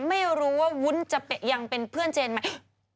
ไม่รู้ว่าวุ้นจะยังเป็นเพื่อนเจนไหม